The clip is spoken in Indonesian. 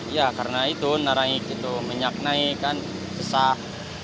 ya karena itu narangik itu minyak naik kan pesah